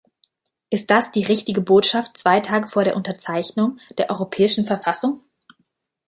Ist das die richtige Botschaft zwei Tage vor der Unterzeichnung der Europäischen Verfassung?